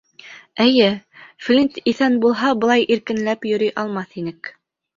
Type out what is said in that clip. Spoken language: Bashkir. Эйе, Флинт иҫән булһа, былай иркенләп йөрөй алмаҫ инек.